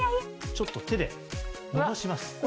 ちょっと手でのばします。